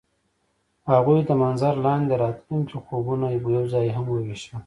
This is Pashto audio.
هغوی د منظر لاندې د راتلونکي خوبونه یوځای هم وویشل.